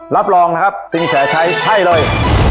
รับรองนะครับสิ่งแชร์ไทยให้เลย